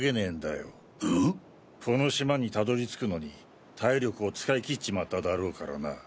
この島にたどり着くのに体力を使い切っちまっただろうからな。